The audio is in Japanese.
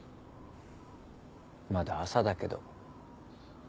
まだ朝だけど。